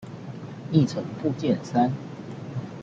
議程附件三